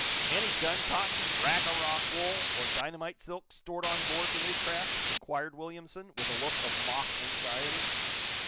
"Any gun cotton, rack a rock wool or dynamite silk stored on board the new craft?" inquired Williamson, with a look of mock anxiety.